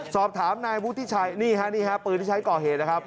สอบถามนายวุฒิชัยนี่ฮะนี่ฮะปืนที่ใช้ก่อเหตุนะครับ